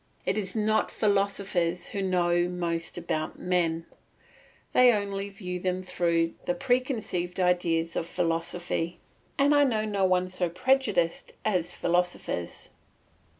It is not philosophers who know most about men; they only view them through the preconceived ideas of philosophy, and I know no one so prejudiced as philosophers.